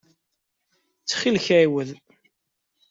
Ttxil-k ɛiwed.